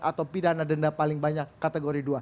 atau pidana denda paling banyak kategori dua